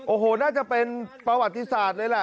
โอ้โหน่าจะเป็นประวัติศาสตร์เลยแหละ